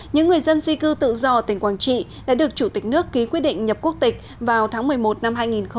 những người dân di cư tự do ở tỉnh quảng trị đã được chủ tịch nước ký quyết định nhập quốc tịch vào tháng một mươi một năm hai nghìn một mươi chín